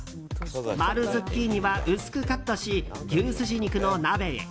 丸ズッキーニは薄くカットし牛すじ肉の鍋へ。